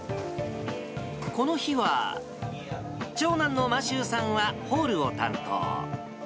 この日は、長男のましゅうさんはホールを担当。